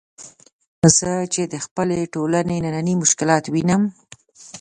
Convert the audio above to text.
زه چې د خپلې ټولنې نني مشکلات وینم.